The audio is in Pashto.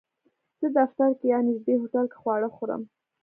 زه دفتر کې یا نږدې هوټل کې خواړه خورم